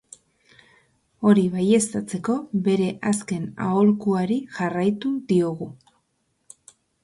Hori baieztatzeko, bere azken aholkuari jarraitu diogu.